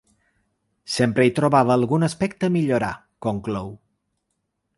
Sempre hi trobava algun aspecte a millorar, conclou.